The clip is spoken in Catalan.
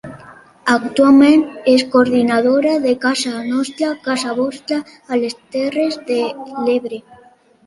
Actualment és coordinadora de Casa Nostra Casa Vostra a les Terres de l'Ebre.